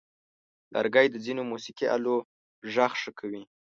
لرګی د ځینو موسیقي آلو غږ ښه کوي.